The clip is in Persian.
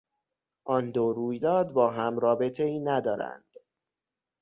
آن دو رویداد با هم رابطهای ندارند.